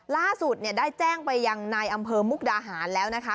ล่าสุดเนี่ยได้แจ้งไปยังนายอำเภอมุกดาหารแล้วนะคะ